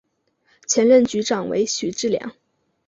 前任局长为许志梁。